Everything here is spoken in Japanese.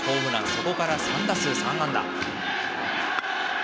そこから３打数３安打。